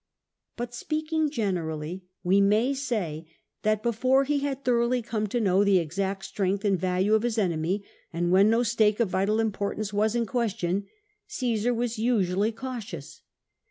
' But, speaking generally, we may say that before he had thoroughly come to know the exact strength and value of his enemy, and when no stake of vital importance was in question, 0£esar was usually cautious.